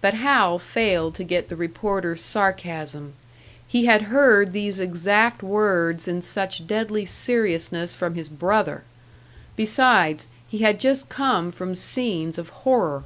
But Hal failed to get the reporter's sarcasm. He had heard these exact words in such deadly seriousness from his brother! Besides, he had just come from scenes of horror.